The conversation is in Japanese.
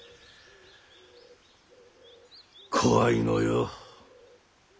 怖いのよ。